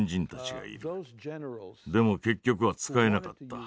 でも結局は使えなかった。